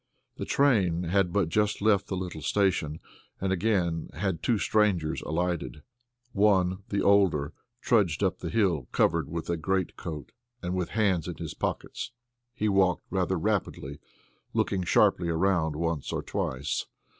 The train had but just left the little station, and again had two strangers alighted. One, the older, trudged up the hill covered with a great coat, and with hands in his pockets. He walked rather rapidly, looking sharply around once or twice.